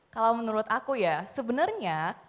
kalau menurut aku ya sebenarnya